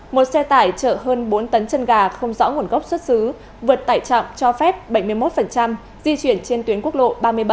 một xe tải chở hơn bốn tấn chân gà không rõ nguồn gốc xuất xứ vượt tải trọng cho phép bảy mươi một di chuyển trên tuyến quốc lộ ba mươi bảy